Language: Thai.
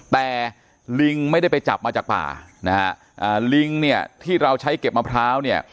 แต่ลิงไม่ได้ไปจับมาจากป่านะฮะอ่าลิงเนี่ยที่เราใช้เก็บมะพร้าวเนี่ย